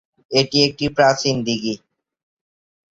এটি একটি প্রাচীন দিঘি।